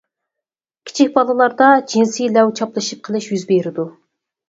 كىچىك بالىلاردا جىنسىي لەۋ چاپلىشىپ قېلىش يۈز بېرىدۇ.